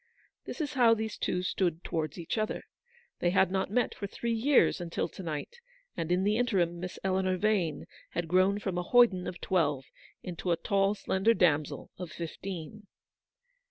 This is how these two stood towards each other. They had not met for three years until to night ; WAITING. 103 and in the interim Miss Eleanor Vane had grown from a hoyden of twelve into a tall, slender damsel of fifteen.